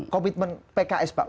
komitmen pks pak